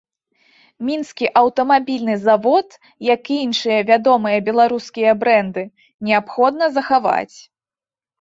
Мінскі аўтамабільны завод, як і іншыя вядомыя беларускія брэнды, неабходна захаваць.